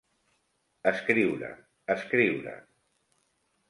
Escriure, escriure.